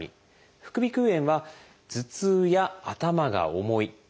副鼻腔炎は頭痛や頭が重い鼻づまり